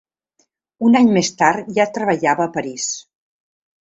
Un any més tard ja treballava a París.